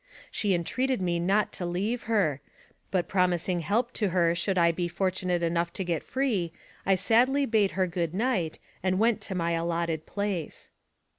She entreated me not to leave her, AMONG THE SIOUX INDIANS. 55 but promising help to her should I be fortunate enough to get free, I sadly bade her good night, and went to my allotted place.